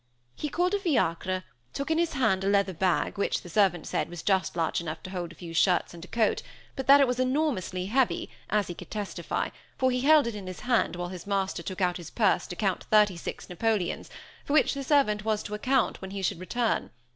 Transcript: He called a fiacre, took in his hand a leather bag which, the servant said, was just large enough to hold a few shirts and a coat, but that it was enormously heavy, as he could testify, for he held it in his hand, while his master took out his purse to count thirty six Napoleons, for which the servant was to account when he should return.